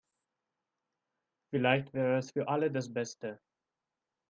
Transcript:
Vielleicht wäre es für alle das Beste.